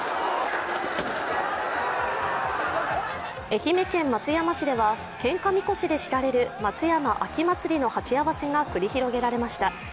愛媛県松山市では、けんかみこしで知られる松山秋祭りの鉢合わせが繰り広げられました。